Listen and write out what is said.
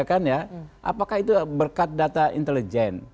apakah itu berkat data intelijen